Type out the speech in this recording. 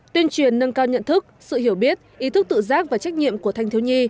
tuyên truyền nâng cao nhận thức sự hiểu biết ý thức tự giác và trách nhiệm của thanh thiếu nhi